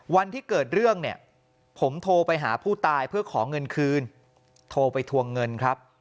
วันที่เกิดเรื่องเนี่ยผมโทรไปหาผู้ตายเพื่อขอเงินคืนโทรไปทวงเงินครับ